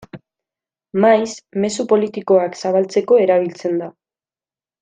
Maiz, mezu politikoak zabaltzeko erabiltzen da.